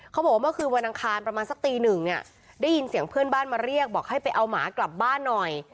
บอกว่าเมื่อคืนวันอังคารประมาณสักตีหนึ่งเนี่ยได้ยินเสียงเพื่อนบ้านมาเรียกบอกให้ไปเอาหมากลับบ้านหน่อย